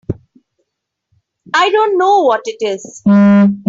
I don't know what it is.